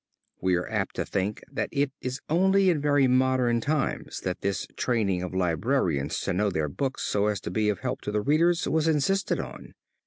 We are apt to think that it is only in very modern times that this training of librarians to know their books so as to be of help to the readers was insisted on.